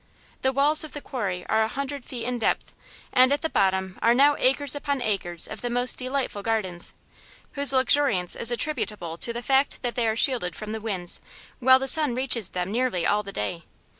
The walls of the quarry are a hundred feet in depth, and at the bottom are now acres upon acres of the most delightful gardens, whose luxuriance is attributable to the fact that they are shielded from the winds while the sun reaches them nearly all the day.